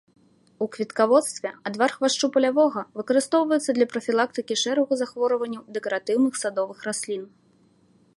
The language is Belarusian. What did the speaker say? У кветкаводстве адвар хвашчу палявога выкарыстоўваецца для прафілактыкі шэрагу захворванняў дэкаратыўных садовых раслін.